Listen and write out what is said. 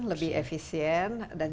lebih efisien dan